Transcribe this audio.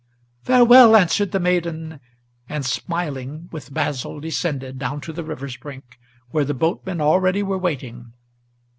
"Farewell!" answered the maiden, and, smiling, with Basil descended Down to the river's brink, where the boatmen already were waiting.